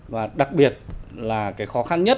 và đặc biệt là cái khó khăn nhất